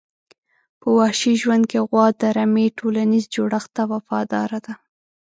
په وحشي ژوند کې غوا د رمي ټولنیز جوړښت ته وفاداره ده.